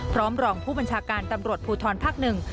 พร้อมรองผู้บัญชาการตำรวจภูทรภักดิ์หนึ่ง